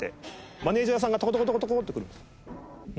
マネジャーさんがトコトコトコトコって来るんですよ。